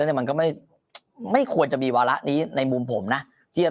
เนี่ยมันก็ไม่ไม่ควรจะมีวาระนี้ในมุมผมนะที่จะ